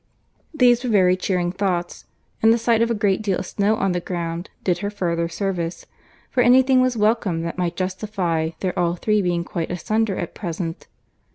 These were very cheering thoughts; and the sight of a great deal of snow on the ground did her further service, for any thing was welcome that might justify their all three being quite asunder at present.